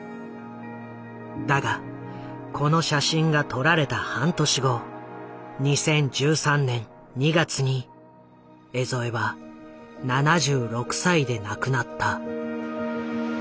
だがこの写真が撮られた半年後２０１３年２月に江副は７６歳で亡くなった。